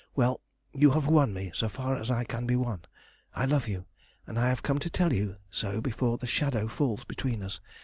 "Well, you have won me, so far as I can be won. I love you, and I have come to tell you so before the shadow falls between us.